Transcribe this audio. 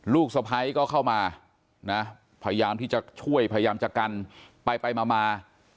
ลูกสะพ้ายก็เข้ามานะพยายามที่จะช่วยพยายามจะกันไปไปมา